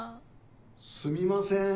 ・すみません・